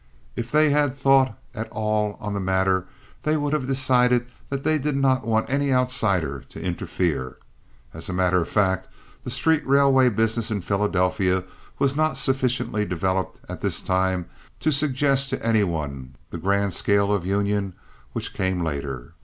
If they had thought at all on the matter they would have decided that they did not want any outsider to interfere. As a matter of fact the street railway business in Philadelphia was not sufficiently developed at this time to suggest to any one the grand scheme of union which came later.